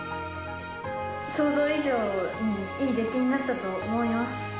想像以上にいい出来になったと思います。